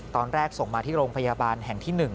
ส่งมาที่โรงพยาบาลแห่งที่๑